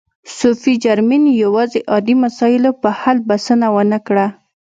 صوفي جرمین یوازې عادي مسایلو په حل بسنه و نه کړه.